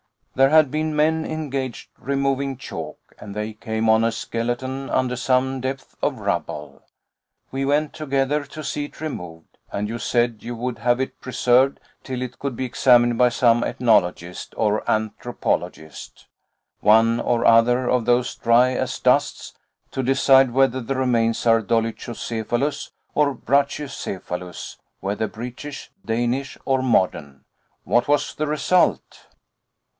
There had been men engaged removing chalk, and they came on a skeleton under some depth of rubble. We went together to see it removed, and you said you would have it preserved till it could be examined by some ethnologist or anthropologist, one or other of those dry as dusts, to decide whether the remains are dolichocephalous or brachycephalous, whether British, Danish, or modern. What was the result?"